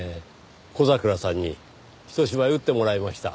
小桜さんにひと芝居打ってもらいました。